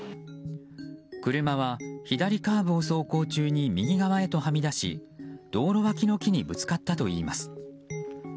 車は左カーブを走行中に右側へとはみ出し道路脇の木にぶつかったといいます。